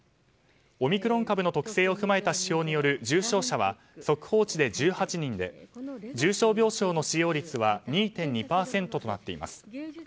オミクロン株の特性を踏まえた指標による重症者は速報値で１８人で重症病床の使用率は２．２％となっています。